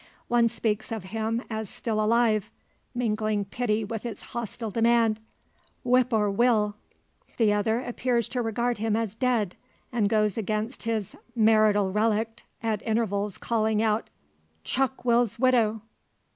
One speaks of him as still alive, mingling pity with its hostile demand: "Whippoor Will!" The other appears to regard him as dead, and goes against his marital relict, at intervals calling out: "Chuck Will's widow!"